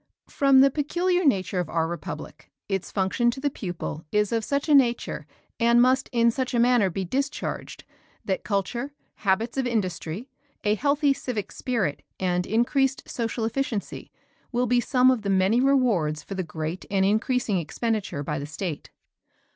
From the peculiar nature of our republic, its function to the pupil is of such a nature and must in such a manner be discharged that culture, habits of industry, a healthy civic spirit and increased social efficiency will be some of the many rewards for the great and increasing expenditure by the State.